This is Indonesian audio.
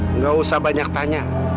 enggak usah banyak tanya